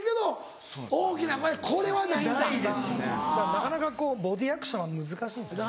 なかなかボディーアクションは難しいですね。